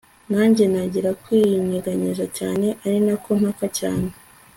nanjye nangira kwinyeganyeza cyane arinako ntaka cyane